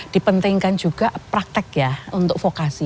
dipentingkan juga praktek ya untuk vokasi